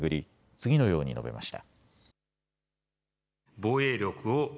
次のように述べました。